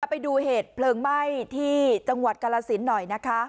ไปดูเหตุเพลิงไหม้ที่จังหวัดกาลสินหน่อยนะคะ